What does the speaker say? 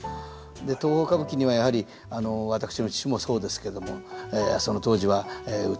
東宝歌舞伎にはやはり私の父もそうですけどもその当時は歌右衛門おにいさんですか